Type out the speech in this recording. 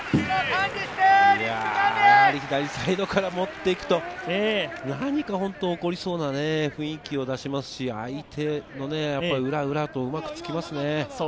左サイドから持って行くと、何か本当に起こりそうな雰囲気を出しますし、相手の裏、裏とうまくつきますね。